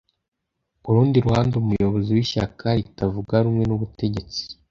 Ku rundi ruhande Umuyobozi w’ishyaka ritavuga rumwe n’ubutegetsi